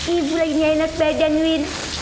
ibu lagi enak badan win